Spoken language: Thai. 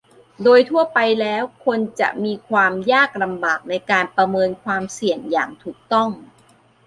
โดยทั่วไปแล้ว คนจะมีความยากลำบากในการประเมินความเสี่ยงอย่างถูกต้อง